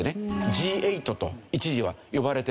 Ｇ８と一時は呼ばれてました。